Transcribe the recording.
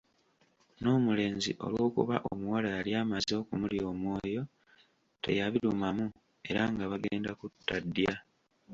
N’omulenzi olw’okuba omuwala yali amaze okumulya omwoyo teyabirumamu era nga bagenda kutta ddya.